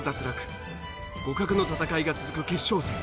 互角の戦いが続く決勝戦。